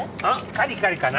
カリカリかな。